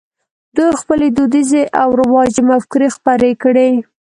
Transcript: دوی خپلې دودیزې او رواجي مفکورې خپرې کړې.